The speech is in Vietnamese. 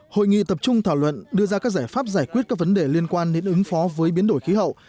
hội nghị tập trung thảo luận đưa ra các giải pháp giải quyết các vấn đề liên quan đến ứng phó với biến đổi khí hậu